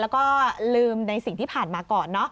แล้วก็ลืมในสิ่งที่ผ่านมาก่อนเนอะ